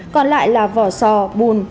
còn lại là vỏ sò bùn